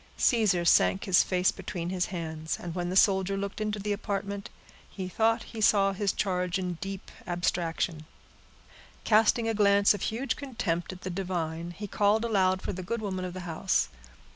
Caesar sank his face between his hands; and when the soldier looked into the apartment, he thought he saw his charge in deep abstraction. Casting a glance of huge contempt at the divine, he called aloud for the good woman of the house.